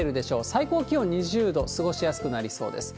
最高気温２０度、過ごしやすくなりそうです。